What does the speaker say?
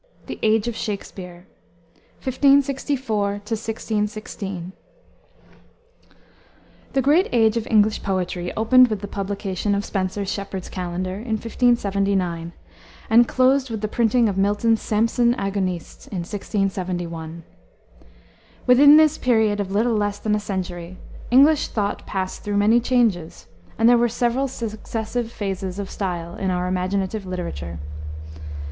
THE AGE OF SHAKSPERE. 1564 1616. The great age of English poetry opened with the publication of Spenser's Shepheard's Calendar, in 1579, and closed with the printing of Milton's Samson Agonistes, in 1671. Within this period of little less than a century English thought passed through many changes, and there were several successive phases of style in our imaginative literature.